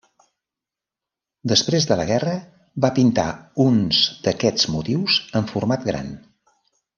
Després de la guerra va pintar uns d'aquests motius en format gran.